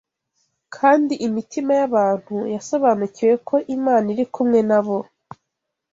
kandi imitima y’abantu yasobanukiwe ko Imana iri kumwe nabo